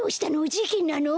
じけんなの？